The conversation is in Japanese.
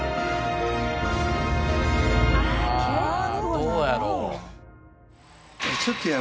ああどうやろう？